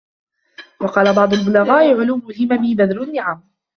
وَقَالَ بَعْضُ الْبُلَغَاءِ عُلُوِّ الْهِمَمِ بَذْرُ النِّعَمِ